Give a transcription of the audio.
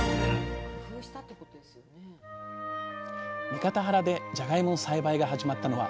三方原でじゃがいもの栽培が始まったのは大正時代のこと。